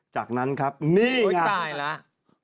จากนั้นครับนี่อย่างนั้น